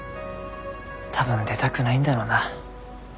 多分出たくないんだろうな。